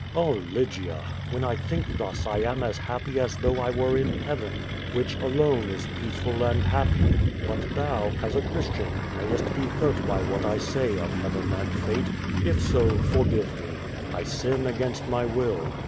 Oh, Lygia! When I think thus I am as happy as though I were in heaven, which alone is peaceful and happy. But thou, as a Christian, niayest be hurt by what I say of heaven and fate. If so, forgive me. I sin against my will.